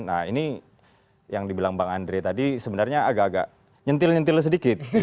nah ini yang dibilang bang andre tadi sebenarnya agak agak nyentil nyentil sedikit